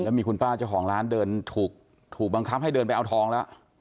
มีคุณป้าเจ้าของร้านเดินถูกบังคับให้เดินไปเอาทองแล้ว